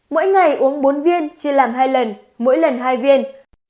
mỗi ngày uống bốn viên chia làm hai lần mỗi lần hai viên